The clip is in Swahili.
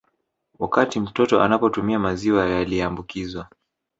Wakati mtoto anapotumia maziwa yaliambukizwa